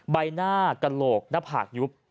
ใบหน้ากระโหลกหน้าผากยุบ